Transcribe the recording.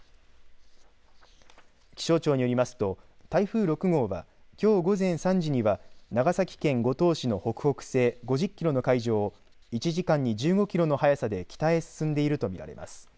気象庁によりますと台風６号はきょう午前３時には長崎県五島市の北北西５０キロの海上を１時間に１５キロの速さで北へ進んでいると見られます。